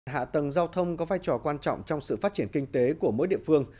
hạ tầng giao thông có vai trò quan trọng trong sự phát triển kinh tế của mỗi địa phương